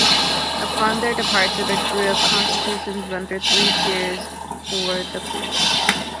Upon their departure, the crew of "Constitution" rendered three cheers for the Queen.